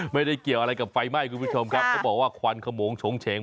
ไม่ได้เกี่ยวอะไรกับไฟไหม้คุณผู้ชมครับเขาบอกว่าควันขมงโฉงเฉง